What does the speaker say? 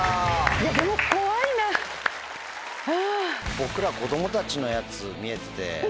僕ら子供たちのやつ見えてて。